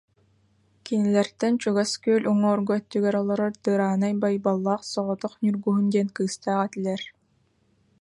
Кинилэртэн чугас күөл уҥуоргу өттүгэр олорор Дыраанай Байбаллаах соҕотох Ньургуһун диэн кыыстаах этилэр